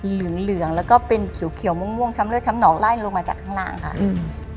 เหลืองเหลืองแล้วก็เป็นเขียวเขียวม่วงม่วงช้ำเลือช้ำหนองไล่ลงมาจากข้างล่างค่ะอืม